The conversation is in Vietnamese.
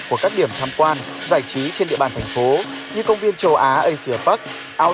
của các điểm thăm quan giải trí trên địa bàn thành phố như công viên châu á asia park áo dài show đà nẵng